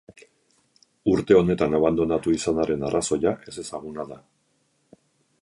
Urte honetan abandonatu izanaren arrazoia ezezaguna da.